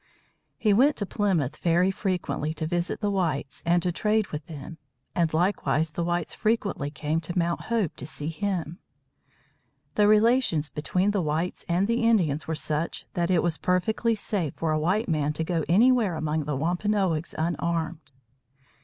He went to Plymouth very frequently, to visit the whites and to trade with them. And, likewise, the whites frequently came to Mount Hope to see him. The relations between the whites and the Indians were such that it was perfectly safe for a white man to go anywhere among the Wampanoags unarmed.